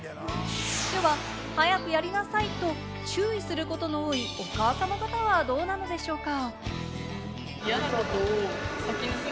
では、早くやりなさい！と注意することが多い、お母様方はどうなんでしょうか？